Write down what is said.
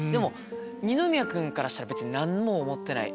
二宮君からしたら何も思ってない